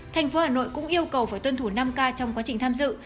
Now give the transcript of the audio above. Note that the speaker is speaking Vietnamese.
tp hà nội cũng yêu cầu phải tuân thủ năm k trong quá trình tham dự